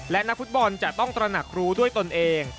และนักฟุตบอลจะต้องตระหนักรู้ด้วยตนเอง